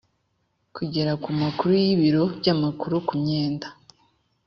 kugera ku makuru y ibiro by amakuru ku myenda